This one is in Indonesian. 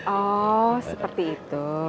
oh seperti itu